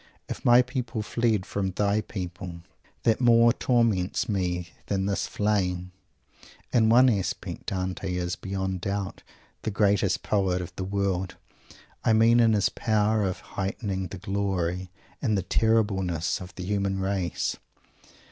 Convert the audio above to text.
"If my people fled from thy people that more torments me than this flame." In one respect Dante is, beyond doubt, the greatest poet of the world. I mean in his power of heightening the glory and the terribleness of the human race.